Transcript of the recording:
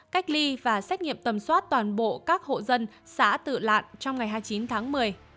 cách ly và xét nghiệm tầm soát toàn bộ các hộ dân xã tự lạn trong ngày hai mươi chín tháng một mươi